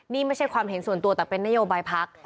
นี่ไม่ใช่ความเห็นส่วนตัวแต่เป็นนโยบายพัก